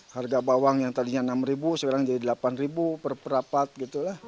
harga bawang yang tadinya rp enam sekarang jadi rp delapan per perapat gitu lah